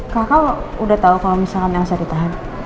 kakak udah tahu kalau misalkan elsa ditahan